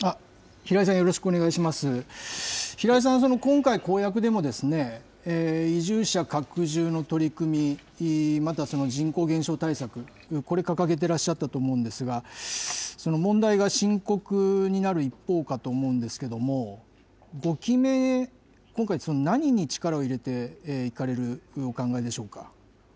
平井さん、今回、公約でも、移住者拡充の取り組み、また人口減少対策、これ掲げてらっしゃったと思うんですが、問題が深刻になる一方かと思うんですけれども、５期目、今回、何に力を入れていかれるお考えでしょうか。